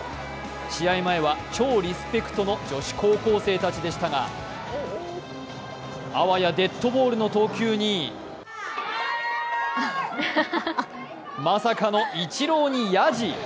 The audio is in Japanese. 試合前は超リスペクトの女子高校生たちでしたが、あわやデッドボールの投球にまさかのイチローに、やじ。